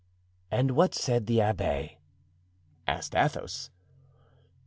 "And what said the abbé?" asked Athos.